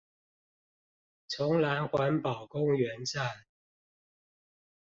崇蘭環保公園站